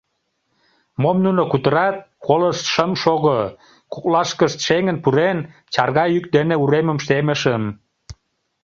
Мом нуно кутырат, колышт шым шого, коклашкышт шеҥын пурен, чарга йӱк дене уремым темышым: